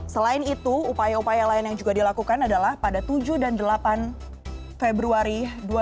selain itu upaya upaya lain yang juga dilakukan adalah pada tujuh dan delapan februari dua ribu dua puluh